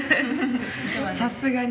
さすがに。